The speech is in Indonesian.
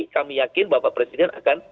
kami yakin bapak presiden akan